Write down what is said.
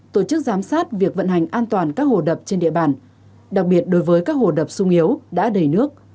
tổ chức giám sát việc vận hành an toàn các hồ đập trên địa bàn đặc biệt đối với các hồ đập sung yếu đã đầy nước